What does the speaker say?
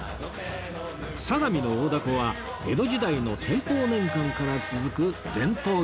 相模の大凧は江戸時代の天保年間から続く伝統行事